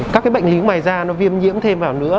các cái bệnh lý ngoài da nó viêm nhiễm thêm vào nữa